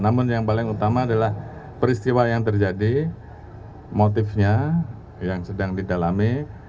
namun yang paling utama adalah peristiwa yang terjadi motifnya yang sedang didalami